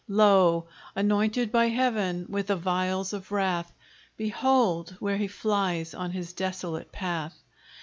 Lo! anointed by Heaven with the vials of wrath, Behold, where he flies on his desolate path!